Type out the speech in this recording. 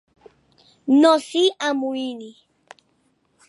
No s'hi amoïni.